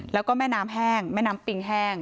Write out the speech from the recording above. แล้วก็แม่น้ำแห้งแม่น้ำปิงแห้ง